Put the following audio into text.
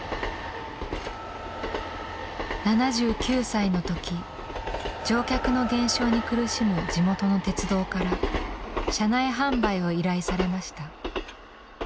７９歳の時乗客の減少に苦しむ地元の鉄道から車内販売を依頼されました。